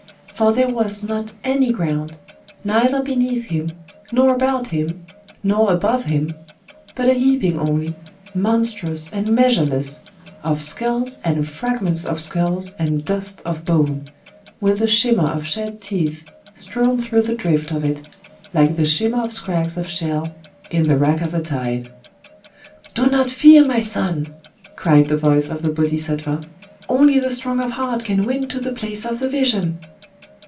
For there was not any ground,—neither beneath him nor about him nor above him,—but a heaping only, monstrous and measureless, of skulls and fragments of skulls and dust of bone,—with a shimmer of shed teeth strown through the drift of it, like the shimmer of scrags of shell in the wrack of a tide. "Do not fear, my son!" cried the voice of the Bodhisattva;—"only the strong of heart can win to the place of the Vision!"